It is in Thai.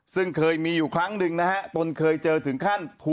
ซึ่งเคยมีอยู่ครั้งหนึ่งนะฮะตนเคยเจอถึงขั้น